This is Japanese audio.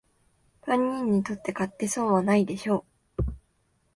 万人にとって買って損はないでしょう